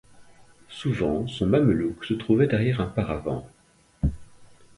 Souvent, son mamelouck se trouvait derrière un paravent.